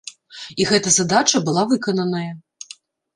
І гэта задача была выкананая.